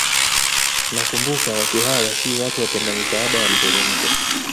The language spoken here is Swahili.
Nakumbuka watu hawa si watu wapenda misaada ya mteremko